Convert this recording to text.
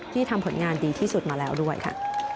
ทำผลงานดีที่สุดมาแล้วด้วยค่ะ